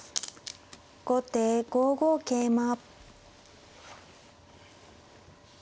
後手５五桂馬。